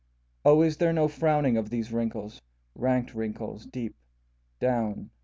Ó is there no frowning of these wrinkles, rankéd wrinkles deep, Dówn?